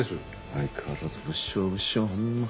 相変わらず物証物証ほんま。